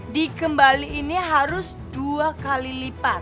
dikembaliinnya harus dua kali lipat